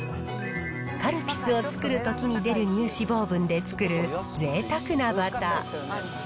カルピスを作るときに出る乳脂肪分で作るぜいたくなバター。